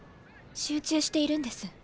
集中しているんです。